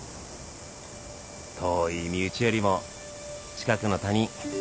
遠い身内よりも近くの他人。